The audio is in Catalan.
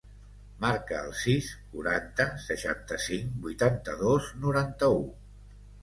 Marca el sis, quaranta, seixanta-cinc, vuitanta-dos, noranta-u.